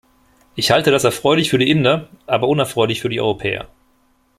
Ich halte das erfreulich für die Inder, aber unerfreulich für die Europäer.